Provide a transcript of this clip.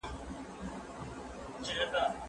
د کوچني دپاره مي په کڅوڼي کي نوي کتابونه ولیدل.